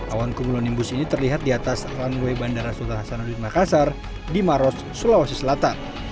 awan kumulonimbus ini terlihat di atas runway bandara sultan hasanuddin makassar di maros sulawesi selatan